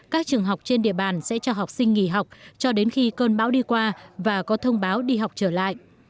các trường học trên địa bàn sẽ cho học sinh nghỉ học cho đến khi cơn bão đi qua và có thông báo đi học trở lại